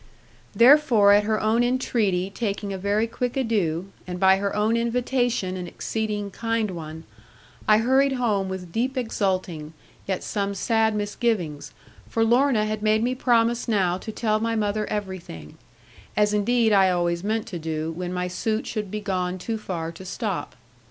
Therefore at her own entreaty taking a very quick adieu, and by her own invitation an exceeding kind one, I hurried home with deep exulting, yet some sad misgivings, for Lorna had made me promise now to tell my mother everything; as indeed I always meant to do, when my suit should be gone too far to stop.